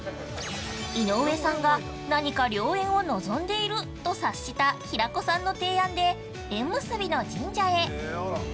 ◆井上さんが、何か良縁を望んでいると察した平子さんの提案で、縁結びの神社へ。